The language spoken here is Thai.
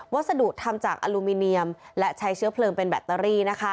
สรุปทำจากอลูมิเนียมและใช้เชื้อเพลิงเป็นแบตเตอรี่